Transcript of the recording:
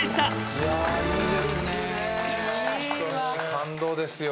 感動ですよ。